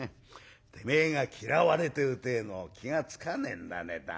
てめえが嫌われてるてえのを気が付かねえんだね。